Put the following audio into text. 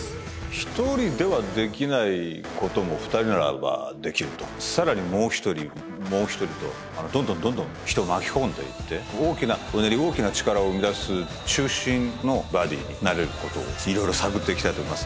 １人ではできないことも２人ならばできるとさらにもう一人もう一人とどんどんどんどん人を巻き込んでいって大きなうねり大きな力を生み出す中心のバディになれることをいろいろ探っていきたいと思います